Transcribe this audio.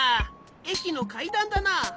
えきのかいだんだな。